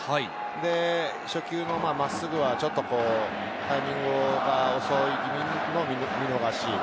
で、初球の真っすぐはちょっとタイミングが遅いので見逃し。